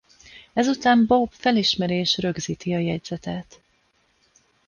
Ezután Bob felismeri és rögzíti a jegyzetet.